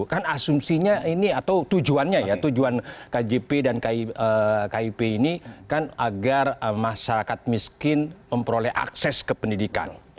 kan asumsinya ini atau tujuannya ya tujuan kjp dan kip ini kan agar masyarakat miskin memperoleh akses ke pendidikan